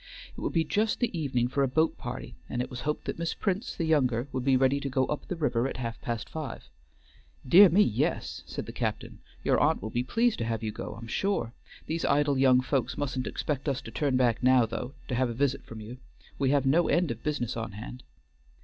It would be just the evening for a boat party, and it was hoped that Miss Prince the younger would be ready to go up the river at half past five. "Dear me, yes," said the captain; "your aunt will be pleased to have you go, I'm sure. These idle young folks mustn't expect us to turn back now, though, to have a visit from you. We have no end of business on hand."